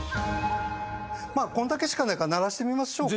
まあこれだけしかないから鳴らしてみましょうか。